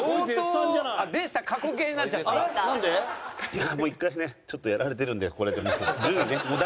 いやあもう一回ねちょっとやられてるんでこれでもう。